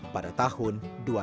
pada tahun dua ribu tujuh belas